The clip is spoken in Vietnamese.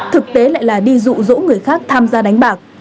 thực tế lại là đi dụ dỗ người khác tham gia đánh bạc